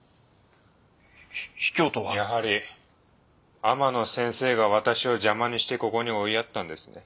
やはり天野先生が私を邪魔にしてここに追いやったんですね。